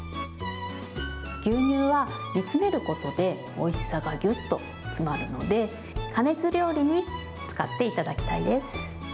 牛乳は煮詰めることでおいしさがぎゅっと詰まるので、加熱料理に使っていただきたいです。